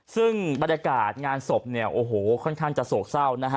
ซึ่งบรรยากาศงานศพโอ้โหค่อนข้างจะโศกเศร้า